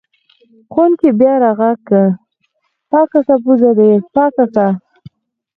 ښوونکي بیا راغږ کړ: پاکه که پوزه دې پاکه که!